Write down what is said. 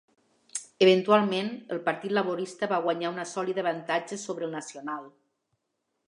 Eventualment, el Partit Laborista va guanyar una sòlida avantatja sobre el Nacional.